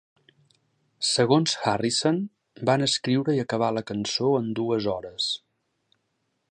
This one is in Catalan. Segons Harrison, van escriure i acabar la cançó en dues hores.